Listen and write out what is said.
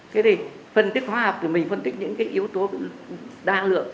thế thì phân tích hóa học thì mình phân tích những cái yếu tố đa lượng